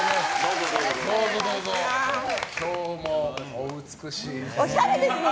今日もお美しいですね。